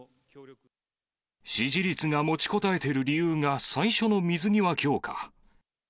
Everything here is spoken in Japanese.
支持率が持ちこたえている理由が最初の水際強化。